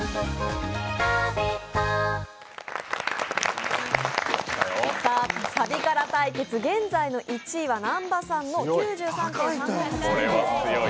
おいしさプラスさあ、サビカラ対決、現在の１位は南波さんの９３．３５８点です。